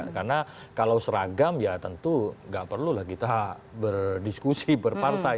karena kalau seragam ya tentu nggak perlu lah kita berdiskusi berpartai